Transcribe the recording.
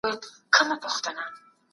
خپل وخت په ګټورو کارونو باندې مصرف کړئ.